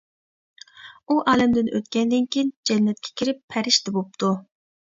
ئۇ ئالەمدىن ئۆتكەندىن كىيىن جەننەتكە كىرىپ پەرىشتە بوپتۇ.